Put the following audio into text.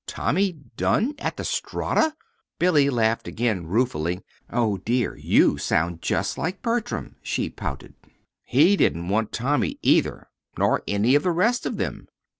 "Tommy Dunn at the Strata!" Billy laughed again ruefully. "O dear! You sound just like Bertram," she pouted. "He didn't want Tommy, either, nor any of the rest of them."